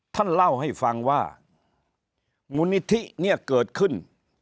ท่านเล่าให้ฟังว่ามูลนิธิเนี่ยเกิดขึ้น